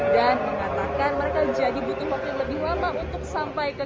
dan mengatakan mereka jadi butuh waktu yang lebih lama untuk sampai ke